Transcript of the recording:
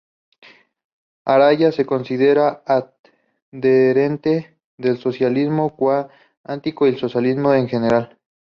Araya se considera adherente del socialismo cuántico y del socialismo en general.